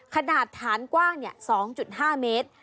ขนาดฐานกว้าง๒๕เมตร